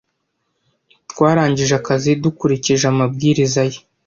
Twarangije akazi dukurikije amabwiriza ye.